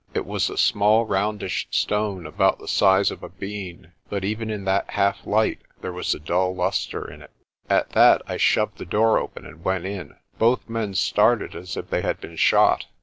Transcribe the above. It was a small roundish stone about the size of a bean, but even in that half light there was a dull lustre in it. At that I shoved the door open and went in. Both men started as if they had been shot.